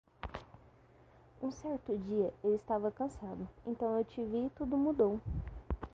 Um certo dia eu estava cansado, então eu te vi e tudo mudou